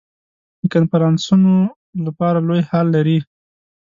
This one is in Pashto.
د کنفرانسونو لپاره لوی هال لري.